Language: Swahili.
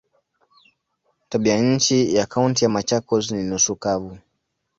Tabianchi ya Kaunti ya Machakos ni nusu kavu.